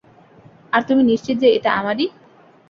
আর তুমি নিশ্চিত যে, এটা আমারই?